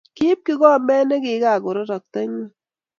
Kiip kikombet ne kikakororokto ing'weny.